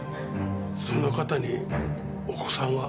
その方にお子さんは？